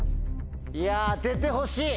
いや当ててほしい！